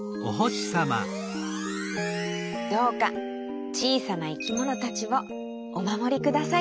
どうかちいさないきものたちをおまもりください。